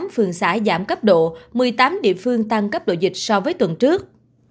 ba mươi tám phương xã giảm cấp độ một mươi tám địa phương tăng cấp độ dịch so với tuần trước